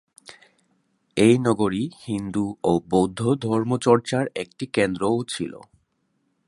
এই নগরী হিন্দু ও বৌদ্ধ ধর্ম চর্চার একটি কেন্দ্রও ছিল।